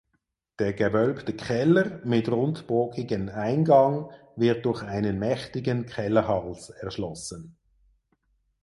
Der gewölbte Keller mit rundbogigen Eingang wird durch einen mächtigen Kellerhals erschlossen.